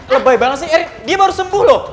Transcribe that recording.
lebay banget sih iri dia baru sembuh loh